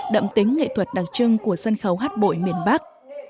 đậm tính nghệ thuật đặc trưng của sân khấu hát bội miền bắc